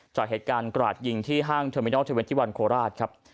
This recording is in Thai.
จากเหตุการณ์กราดยิงที่ห้างเทอร์มินอลเทอร์เวนที่วันโคราชครับ